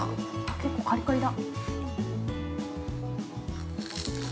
◆結構カリカリだ。